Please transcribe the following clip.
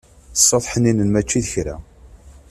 Ṣṣut ḥninen mačči d kra.